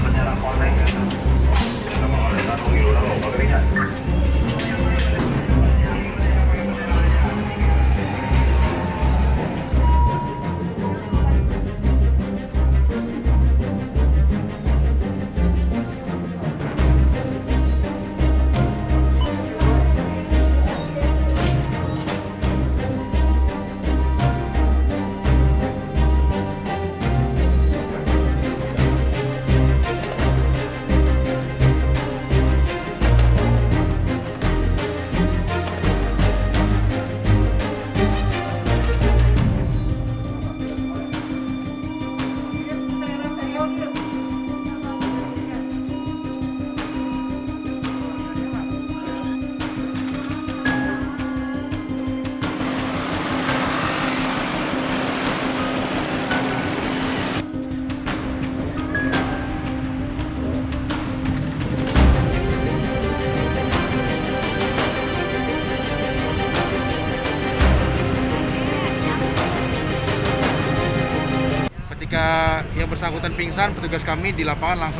jangan lupa like share dan subscribe channel ini untuk dapat info terbaru